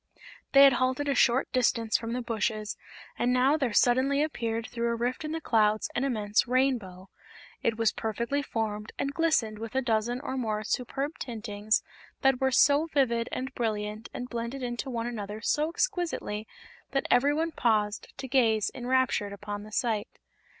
They had halted a short distance from the bushes and now there suddenly appeared through a rift in the clouds an immense Rainbow. It was perfectly formed and glistened with a dozen or more superb tintings that were so vivid and brilliant and blended into one another so exquisitely that every one paused to gaze enraptured upon the sight.